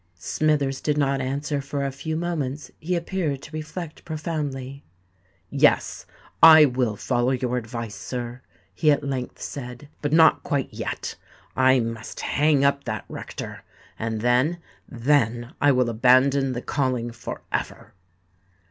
Smithers did not answer for a few moments: he appeared to reflect profoundly. "Yes—I will follow your advice, sir," he at length said: "but not quite yet! I must hang up that rector—and then, then I will abandon the calling for ever!"